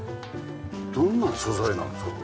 どんな素材なんですか？